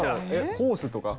ホースとか？